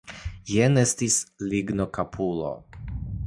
Jen estis lignokapulo.